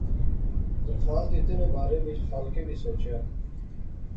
درخواست دتے نے بارے وچ خالقے وی سوچیا